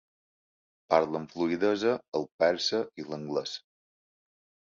Parla amb fluïdesa el persa i l'anglès.